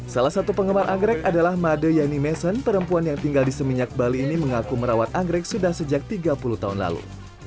salah satu penggemar anggrek adalah made yani mesin perempuan yang tinggal di seminyak bali ini mengaku merawat anggrek sudah sejak tiga puluh tahun lalu